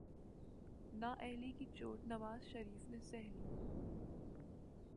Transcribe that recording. نااہلی کی چوٹ نواز شریف نے سہہ لی۔